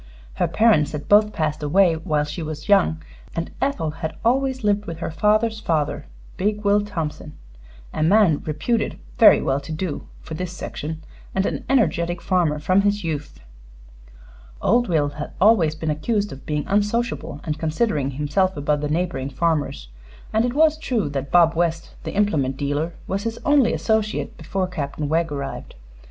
Her parents had both passed away while she was young, and Ethel had always lived with her father's father, big Will Thompson, a man reputed very well to do for this section, and an energetic farmer from his youth. Old Will had always been accused of being unsociable and considering himself above the neighboring farmers; and it was true that Bob West, the implement dealer, was his only associate before Captain Wegg arrived.